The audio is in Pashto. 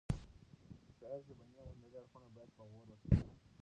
د شاعر ژبني او هنري اړخونه باید په غور وڅېړل شي.